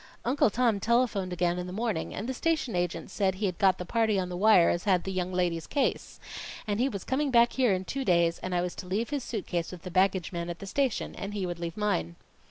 "Uncle Tom telephoned again in the morning, and the station agent said he'd got the party on the wire as had the young lady's case. And he was coming back here in two days, and I was to leave his suit case with the baggage man at the station, and he would leave mine."